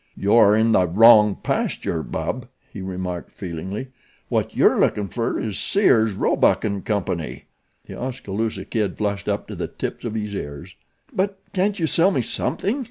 "You're in the wrong pasture, bub," he remarked feelingly. "What yer lookin' fer is Sears, Roebuck & Company." The Oskaloosa Kid flushed up to the tips of his ears. "But can't you sell me something?"